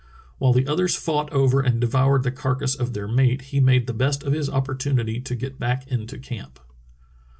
While the others fought over and devoured the carcass of their mate he made the best of his opportunity to get back into camp."